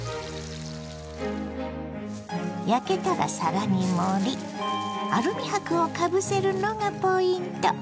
焼けたら皿に盛りアルミ箔をかぶせるのがポイント。